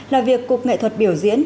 là việc cục nghệ thuật biểu diễn